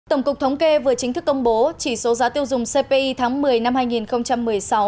tổng cục thống kê vừa chính thức công bố chỉ số giá tiêu dùng cpi tháng một mươi năm hai nghìn một mươi sáu